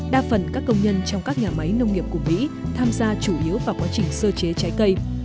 đa phần các công nhân trong các nhà máy nông nghiệp của mỹ tham gia chủ yếu vào quá trình sơ chế trái cây